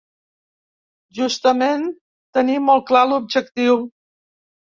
Justament tenir molt clar l’objectiu.